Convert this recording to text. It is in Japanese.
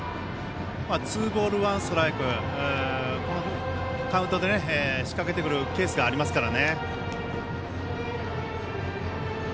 ツーボール、ワンストライクこのカウントで仕掛けてくるケースがありますから。